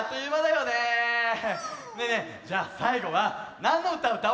ねえねえじゃあさいごはなんのうたうたおっか？